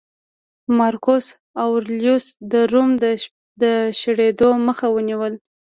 مارکوس اورلیوس د روم د شړېدو مخه ونیوله